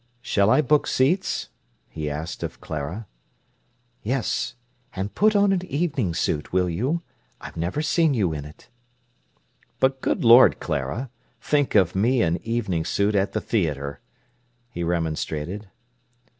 "Shall I book seats?" he asked of Clara. "Yes. And put on an evening suit, will you? I've never seen you in it." "But, good Lord, Clara! Think of me in evening suit at the theatre!" he remonstrated.